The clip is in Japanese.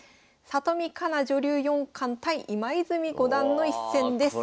里見香奈女流四冠対今泉五段の一戦です。